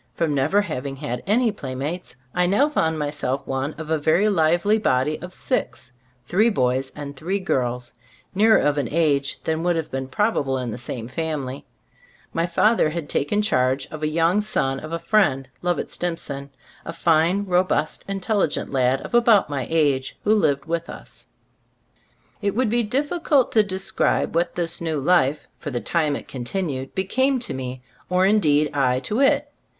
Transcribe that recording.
From never having had any playmates, I now found myself one of a very lively body of six — three boys and three girls nearer of an age than would have been probable in the same family. My father had taken charge of the young 54 Cbe Storg of Ant Cbil&boofc son of a friend — Lovett Stimpson — a fine, robust, intelligent lad of about my age, who lived with us. It would be difficult to describe what this new life, for the time it con tinued, became to me, or indeed I to it.